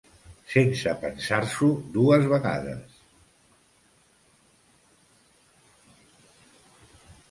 Sense pensar-s'ho dues vegades.